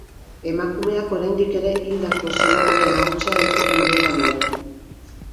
Emakumeak, oraindik ere hildako senarraren ahotsa entzuten duela dio.